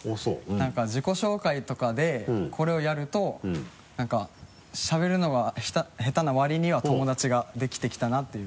なんか自己紹介とかでこれをやるとなんかしゃべるのが下手な割には友だちができてきたなっていう。